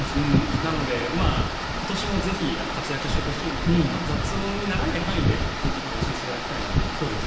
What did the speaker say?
なので、今年もぜひ活躍してほしいので雑音にならない範囲でぜひ更新していただきたいなと。